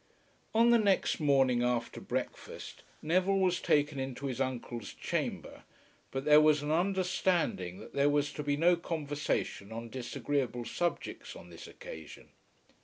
On the next morning after breakfast Neville was taken into his uncle's chamber, but there was an understanding that there was to be no conversation on disagreeable subjects on this occasion.